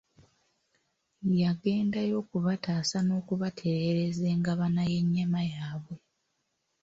Yagendayo okubataasa n'okubatereereza engabana y'ennyama yaabwe.